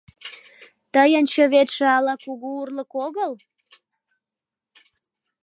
— Тыйын чыветше ала кугу урлык огыл?